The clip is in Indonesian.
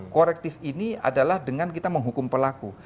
korektif ini adalah dengan kita menghukum pelaku